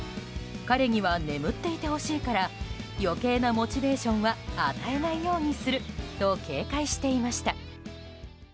彼には眠っていてほしいから余計なモチベーションは与えないようにすると警戒していました。